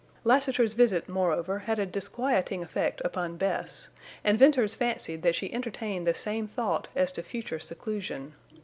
Lassiter's visit, moreover, had a disquieting effect upon Bess, and Venters fancied that she entertained the same thought as to future seclusion.